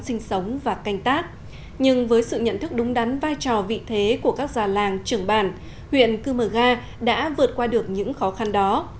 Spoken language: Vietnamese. sinh sống và canh tác nhưng với sự nhận thức đúng đắn vai trò vị thế của các già làng trường bàn huyện chiêm mở nga đã vượt qua được những khó khăn đó